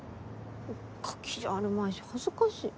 ガキじゃあるまいし恥ずかしい。